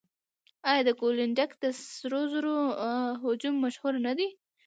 آیا د کلونډیک د سرو زرو هجوم مشهور نه دی؟